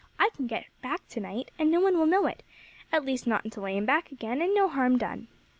I can get back to night, and no one will know it; at least, not until I am back again, and no harm done.'